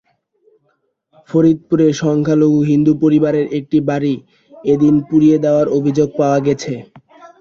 ফরিদপুরে সংখ্যালঘু হিন্দু পরিবারের একটি বাড়ি এদিন পুড়িয়ে দেওয়ার অভিযোগ পাওয়া গেছে।